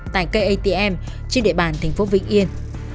tại cây atm trên địa bàn thành phố vĩnh yên